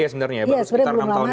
iya sebenarnya belum lama